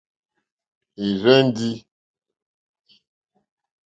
Ì rzɛ́ndī.